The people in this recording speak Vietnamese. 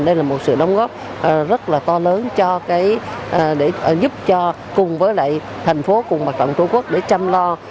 đây là một sự đóng góp rất là to lớn cho cái để giúp cho cùng với lại thành phố cùng mặt trận tổ quốc để chăm lo